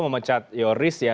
memecat yoris ya